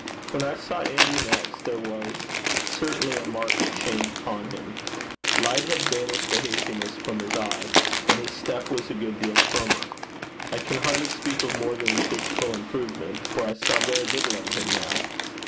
When I saw Andrew next, there was certainly a marked change upon him. Light had banished the haziness from his eye, and his step was a good deal firmer. I can hardly speak of more than the physical improvement, for I saw very little of him now.